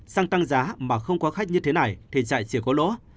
xăng tăng giá mà không có khách như thế này thì chạy chỉ có lỗ